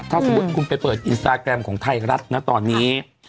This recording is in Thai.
ถ้าสมมุติคุณไปเปิดอินสตาแกรมของไทยรัฐนะตอนนี้